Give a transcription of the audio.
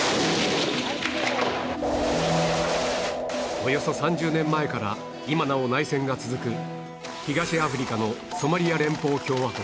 およそ３０年前から今なお内戦が続く東アフリカのソマリア連邦共和国